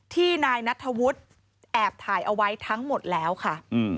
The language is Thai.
นายนัทธวุฒิแอบถ่ายเอาไว้ทั้งหมดแล้วค่ะ